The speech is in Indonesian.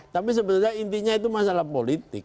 tapi sebenarnya intinya itu masalah politik